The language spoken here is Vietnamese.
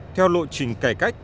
theo lộ trình cải cách